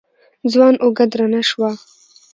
ځوان اوږه درنه شوه.